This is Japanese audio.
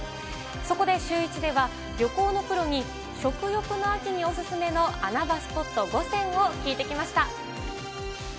そこでシューイチでは、旅行のプロに食欲の秋にお勧めの穴場スポット５選を聞いてきました。